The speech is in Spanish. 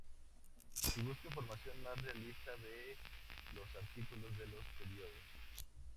Si busca información más realista vee los artículos de los periodos.